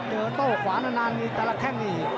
เจอโต้ขวานานเนี่ยแต่ละข่างเอียด